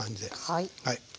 はい。